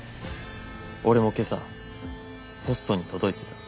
俺も今朝ポストに届いてた。